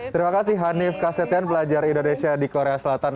terima kasih hanif kasetian pelajar indonesia di korea selatan